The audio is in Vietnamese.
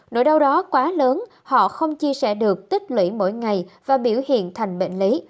nỗi đau đó quá lớn họ không chia sẻ được tích lũy mỗi ngày và biểu hiện thành bệnh lý